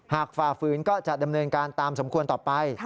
ฝ่าฝืนก็จะดำเนินการตามสมควรต่อไป